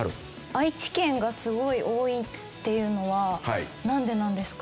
愛知県がすごい多いっていうのはなんでなんですか？